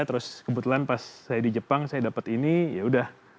terus kebetulan pas saya di jepang saya dapat ini yaudah